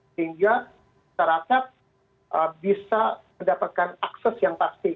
sehingga syarakat bisa mendapatkan akses yang pasti ketika dia mendapatkan minyak goreng